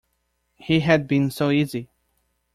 He had been so easy.